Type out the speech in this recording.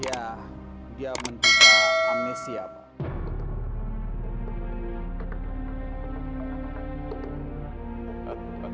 ya dia mencinta amnesia pak